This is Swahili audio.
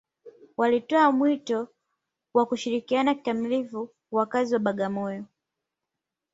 walitoa mwito wa kushirikisha kikamilifu wakazi wa bagamoyo